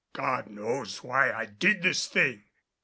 God knows why I did this thing!